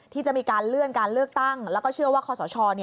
ที่จะมีการเลื่อนการเลือกตั้งแล้วก็เชื่อว่าคอสช